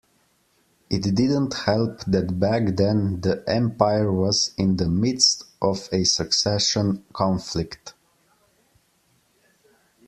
It didn't help that back then the empire was in the midst of a succession conflict.